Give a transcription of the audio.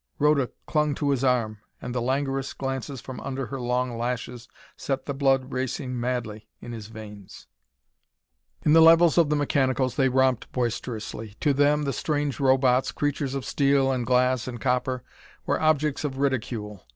Rhoda clung to his arm, and the languorous glances from under her long lashes set the blood racing madly in his veins. In the levels of the mechanicals they romped boisterously. To them the strange robots creatures of steel and glass and copper were objects of ridicule.